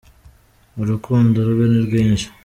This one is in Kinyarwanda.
Urukundo rwe ni rwinshi.